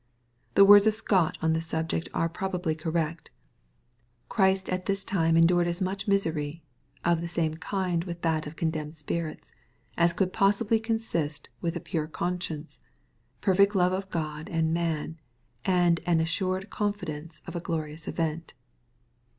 The words of Scott on this subject are probably correct :— ('Christ at this time endured as much misery, of the same kind with that of condemned spirits, as could possibly consist with a pure conscience, perfect love of God and man, and an assured confidence of a glorious event."